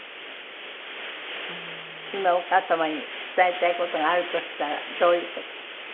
今お母様に伝えたい事があるとしたらどういう事？